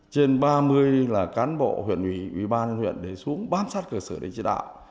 trên ba mươi là cán bộ huyện ủy ban huyện để xuống bám sát cửa sở để chế đạo